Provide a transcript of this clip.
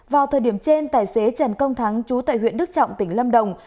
vào thời điểm trên tài xế trần công thắng chú tại huyện đức trọng tỉnh lâm đồng